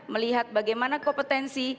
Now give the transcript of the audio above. melihat bagaimana kompetensi